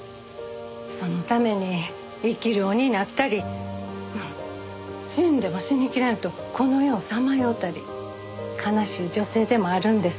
そのために生き霊になったり死んでも死にきれんとこの世をさまようたり悲しい女性でもあるんです。